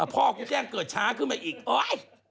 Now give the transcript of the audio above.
พ่อกูแจ้งเกิดช้าขึ้นมาอีกโอ๊ย